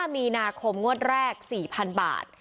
มีนาคมงวดแรก๔๐๐๐บาท